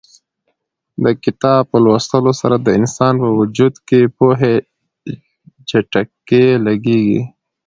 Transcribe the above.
د کتاب په لوستلو سره د انسان په وجود کې د پوهې جټکې لګېږي.